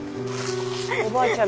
おばあちゃん